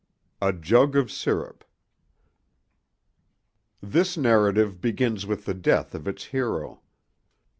A JUG OF SIRUP THIS narrative begins with the death of its hero.